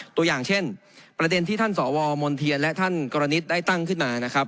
ตัวอย่างเช่นประเด็นที่ท่านสวมนเทียนและท่านกรณิตได้ตั้งขึ้นมานะครับ